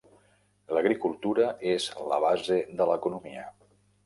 L'agricultura és la base de l'economia.